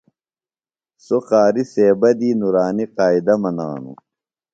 سوۡ قاریۡ صیبہ دی نورانیۡ قائدہ منانوۡ۔